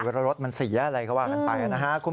หรือว่ารถมันเสียอะไรเขาว่ากันไปนะครับ